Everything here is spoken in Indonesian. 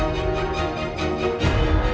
tante itu sudah berubah